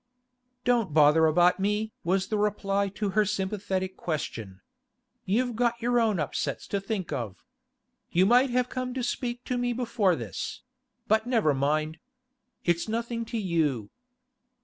'Don't bother about me!' was the reply to her sympathetic question. 'You've got your own upsets to think of. You might have come to speak to me before this—but never mind. It's nothing to you.